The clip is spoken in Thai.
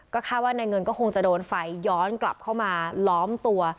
คาดว่านายเงินก็คงจะโดนไฟย้อนกลับเข้ามาล้อมตัว